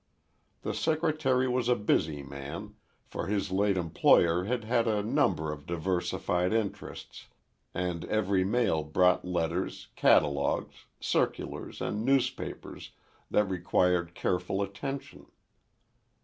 The secretary was a busy man, for his late employer had had a number of diversified interests and every mail brought letters, catalogues, circulars and newspapers that required careful attention.